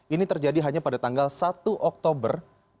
ini terjadi hanya pada tanggal satu oktober dua ribu empat belas